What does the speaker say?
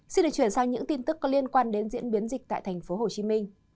xin được chuyển sang những tin tức có liên quan đến diễn biến dịch tại tp hcm